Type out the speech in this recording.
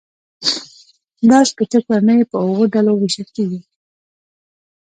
دا شپیته کورنۍ په اووه ډلو وېشل کېږي